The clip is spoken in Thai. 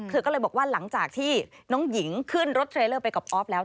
เธอก็เลยบอกว่าหลังจากที่น้องหญิงขึ้นรถเทรลเลอร์ไปกับออฟแล้ว